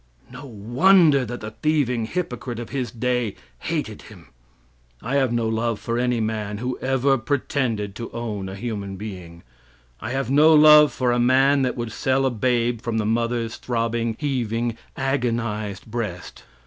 No wonder that the thieving hypocrite of his day hated him! I have no love for any man who ever pretended to own a human being. I have no love for a man that would sell a babe from the mother's throbbing, heaving, agonized breast.